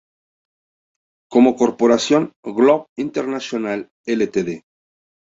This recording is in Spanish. Como corporación, Globe International Ltd.